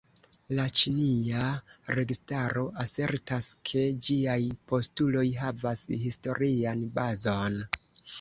La ĉinia registaro asertas, ke ĝiaj postuloj havas historian bazon.